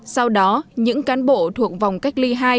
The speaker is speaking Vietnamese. sau đó những cán bộ thuộc vòng cách ly hai